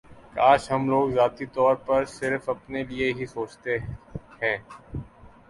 کاش ہم لوگ ذاتی طور پر صرف اپنے لیے ہی سوچتے ہیں